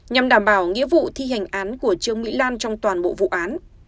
nhằm đảm bảo nghĩa vụ thi hành án của trương mỹ lan trong toàn bộ vụ án